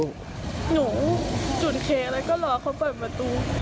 หนูจุดเคอะไรก็รอเขาเปิดประตู